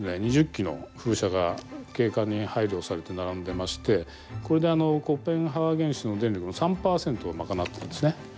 ２０基の風車が景観に配慮をされて並んでましてこれでコペンハーゲン市の電力の３％を賄ってるんですね。